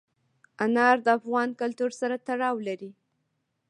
انار د افغان کلتور سره تړاو لري.